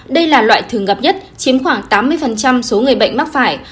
đây là loại thường gặp nhất chiếm khoảng tám mươi số người bệnh mắc phải